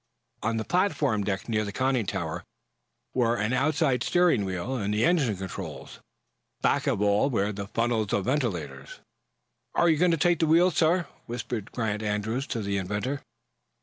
On the platform deck, near the conning tower, were an outside steering wheel and the engine controls. Back of all were the funnels of the ventilators. "Are you going to take the wheel, sir?" whispered Grant Andrews, to the inventor.